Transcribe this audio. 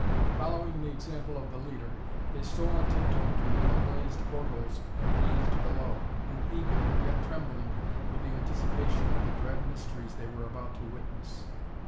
Following the example of the leader, they stole on tiptoe to the unglazed port holes and gazed below, and eager, yet trembling, with the anticipation of the dread mysteries they were about to witness.